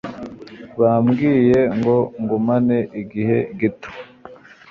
Bambwiye ngo ngumane igihe gito.